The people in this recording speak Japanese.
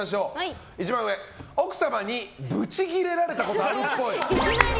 一番上、奥様にブチギレられたことあるっぽい。